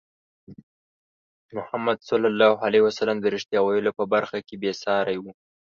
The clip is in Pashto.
محمد صلى الله عليه وسلم د رښتیا ویلو په برخه کې بې ساری وو.